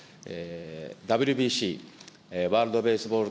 ＷＢＣ・ワールドベースボール